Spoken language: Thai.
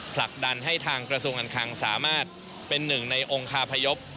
ผลักดันให้ทางกระทรวงการคังสามารถเป็นหนึ่งในองคาพยพ